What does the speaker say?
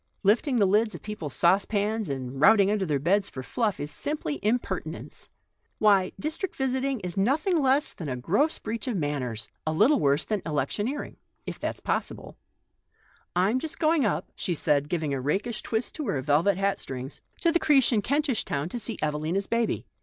Lifting the lids of people's saucepans and routing under their beds for fluff are not to my taste. Why, district visiting is nothing less than a gross breach of manners — a little worse than electioneering, if that's possible. 08 THE STORY OF A MODERN WOMAN. I'm just going up," she said, giving a rakish twist to her velvet hat strings, " to the crbche in Kentish Town to see Evelina's baby.